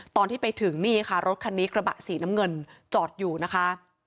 ตอนที่ไปถึงนี่ค่ะรถคันนี้กระบะสีน้ำเงินจอดอยู่นะคะ